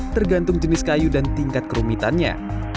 tergantung jenis kayu dan tingkat kerumitannya